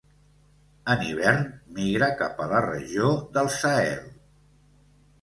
En hivern migra cap a la regió del Sahel.